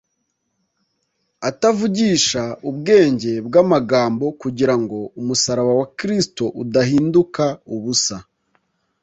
atavugisha ubwenge bw’amagambo, kugira ngo umusaraba wa Kristo udahinduka ubusa”,